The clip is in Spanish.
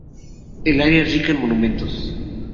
El área es rica en monumentos.